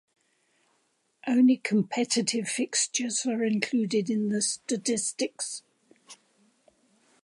Only competitive fixtures are included in the statistics.